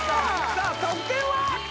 さあ得点は？